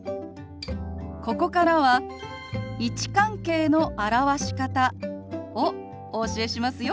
ここからは位置関係の表し方をお教えしますよ。